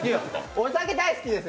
お酒大好きです。